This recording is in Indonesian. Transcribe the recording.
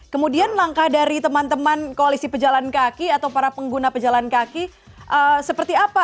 kemudian langkah dari teman teman koalisi pejalan kaki atau para pengguna pejalan kaki seperti apa